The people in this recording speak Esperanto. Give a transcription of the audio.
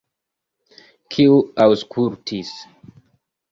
Kiu aŭskultis?